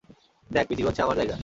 দেখ, পৃথিবী হচ্ছে আমার জায়গা।